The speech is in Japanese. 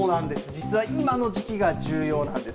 実は今の時期が重要なんです。